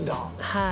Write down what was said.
はい。